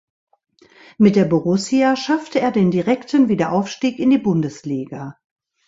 Mit der Borussia schaffte er den direkten Wiederaufstieg in die Bundesliga.